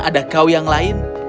ada kau yang lain